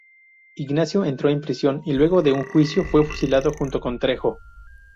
Ignacio entró en prisión y luego de un juicio fue fusilado junto con Trejo.